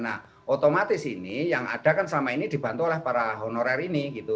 nah otomatis ini yang ada kan selama ini dibantu oleh para honorer ini gitu